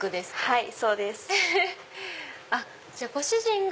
はい。